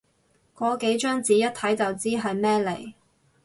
個幾張紙，一睇就知係咩嚟